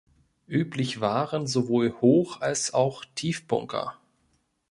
Üblich waren sowohl Hoch- als auch Tiefbunker.